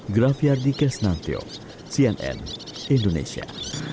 graviar dikesnantio cnn indonesia